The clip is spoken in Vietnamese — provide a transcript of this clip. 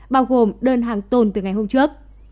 bao gồm đơn hàng tồn từ ngày hôm trước